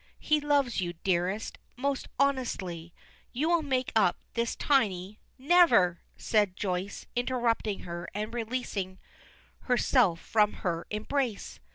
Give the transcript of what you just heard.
He loves you, dearest, most honestly. You will make up this tiny " "Never!" said Joyce, interrupting her and releasing herself from her embrace.